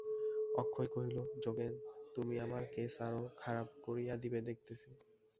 অক্ষয় কহিল, যোগেন, তুমি আমার কেস আরো খারাপ করিয়া দিবে দেখিতেছি।